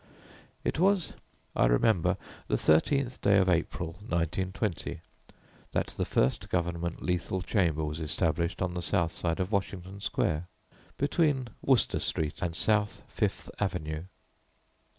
It was, I remember, the 13th day of April, 1920, that the first Government Lethal Chamber was established on the south side of Washington Square, between Wooster Street and South Fifth Avenue.